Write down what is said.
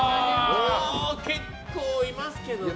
結構いますけどね。